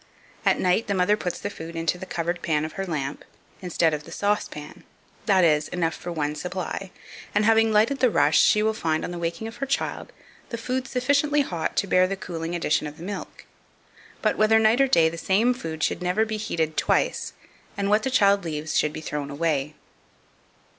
At night the mother puts the food into the covered pan of her lamp, instead of the saucepan that is, enough for one supply, and, having lighted the rush, she will find, on the waking of her child, the food sufficiently hot to bear the cooling addition of the milk. But, whether night or day, the same food should never be heated twice, and what the child leaves should be thrown away.